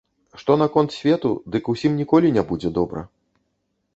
Што наконт свету, дык усім ніколі не будзе добра.